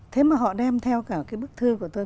thế mà họ đem theo cả cái bức thư của tôi